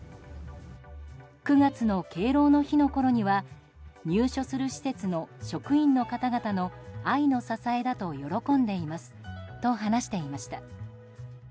９月の敬老の日のころには入所する施設の職員の方々の愛の支えだと喜んでいますと話していました。